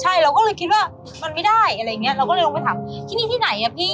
ใช่เราก็เลยคิดว่ามันไม่ได้อะไรอย่างเงี้ยเราก็เลยลงไปถามที่นี่ที่ไหนอ่ะพี่